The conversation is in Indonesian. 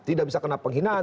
tidak bisa kena penghinaan